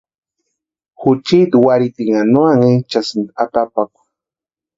Juchiti warhiitinha no anhinchasïnti atapakwa.